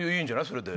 それで。